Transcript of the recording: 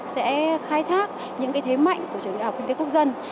sẽ khai thác những thế mạnh của trường đại học kinh tế quốc dân